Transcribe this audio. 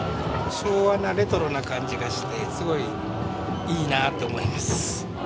昭和なレトロな感じがしてすごいいいなと思います。